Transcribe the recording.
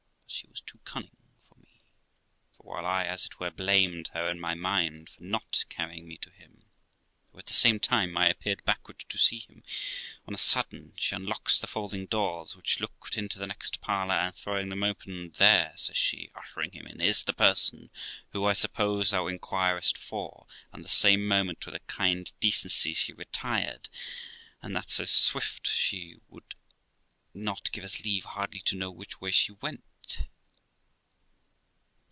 But she was too cunning for me; for while I, as it were, blamed her in my mind for not carrying me to him, though, at the same time, I appeared backward to see him, on a sudden she unlocks the folding doors, THE LIFE OF ROXANA which looked into the next parlour, and throwing them open. 'There*, says she (ushering him in), 'is the person who, I suppose, thou inquirest for'; and the same moment, with a kind decency, she retired, and that so swift that she would not give us leave hardly to know which way she went.